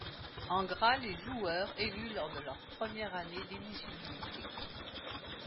En gras, les joueurs élus lors de leur première année d'éligibilité.